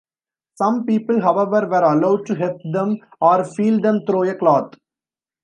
Some people, however, were allowed to heft them or feel them through a cloth.